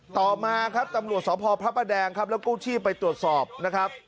ต่อมาครับตำรวจสพพระประแดงครับแล้วกู้ชีพไปตรวจสอบนะครับ